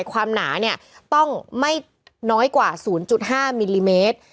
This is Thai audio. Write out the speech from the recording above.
ความหนาเนี่ยต้องไม่น้อยกว่า๐๕มิลลิเมตร